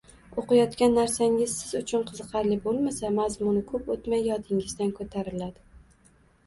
Oʻqiyotgan narsangiz siz uchun qiziqarli boʻlmasa, mazmuni koʻp oʻtmay yodingizdan koʻtariladi